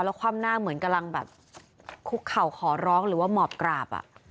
แล้วคว่ำหน้าเหมือนกำลังแบบคุกเข่าขอร้องหรือว่าหมอบกราบ